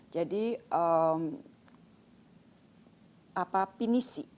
jadi apa pinisi